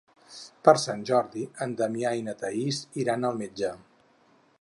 Per Sant Jordi en Damià i na Thaís iran al metge.